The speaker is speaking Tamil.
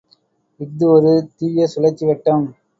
இஃது ஒரு தீய சுழற்சி வட்டம்!